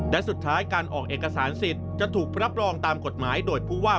และสุดท้ายการออกเอกสารสิทธิ์จะถูกรับรองตามกฎหมายโดยผู้ว่า